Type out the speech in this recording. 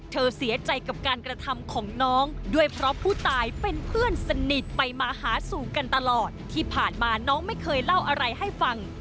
เสียใจกับการกระทำของน้องด้วยเพราะผู้ตายเป็นเพื่อนสนิทไปมาหาสู่กันตลอดที่ผ่านมาน้องไม่เคยเล่าอะไรให้ฟัง